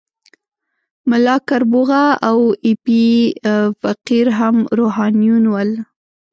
ملا کربوغه او ایپی فقیر هم روحانیون ول.